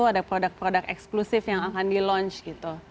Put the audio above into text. ada produk produk eksklusif yang akan di launch gitu